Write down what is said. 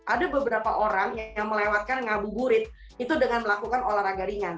ada beberapa orang yang melewatkan ngabuburit itu dengan melakukan olahraga ringan